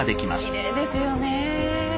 きれいですよねえ！